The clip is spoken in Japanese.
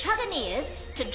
えっ！？